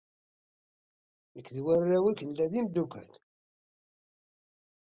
Nekk d warraw-ik, nella d imdukal.